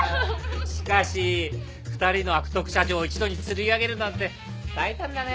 しかし２人の悪徳社長一度に釣り上げるなんて大胆だね。